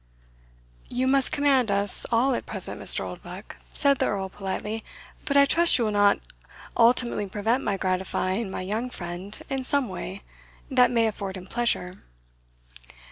"You must command us all at present, Mr. Oldbuck," said the Earl politely; "but I trust you will not ultimately prevent my gratifying my young friend in some way that may afford him pleasure."